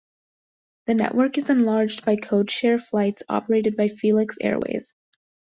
The network is enlarged by codeshare flights operated by Felix Airways.